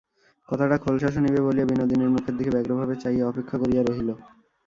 কথাটা খোলসা শুনিবে বলিয়া বিনোদিনীর মুখের দিকে ব্যগ্রভাবে চাহিয়া অপেক্ষা করিয়া রহিল।